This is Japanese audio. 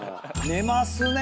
寝ますね！